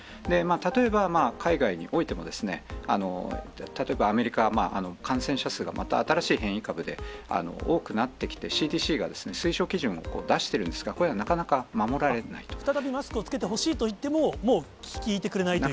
例えば、海外においても、例えばアメリカ、感染者数がまた新しい変異株で多くなってきて、ＣＤＣが推奨基準を出してるんですが、再びマスクを着けてほしいといっても、もう聞いてくれないという。